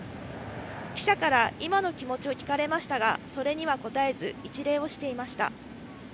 記者から今の気持ちを聞かれましたが、それには答えず、一礼をしていました。